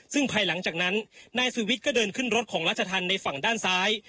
ซึ่งภายหลังจากนั้นนายสุวิทย์ก็เดินขึ้นรถของราชธรรมในฝั่งด้านซ้าย